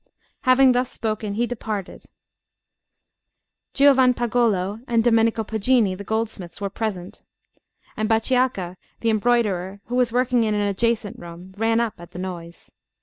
Having thus spoken he departed. Giovanpagolo and Domenico Poggini, the goldsmiths, were present; and Bachiacca, the embroiderer, who was working in an adjacent room, ran up at the noise.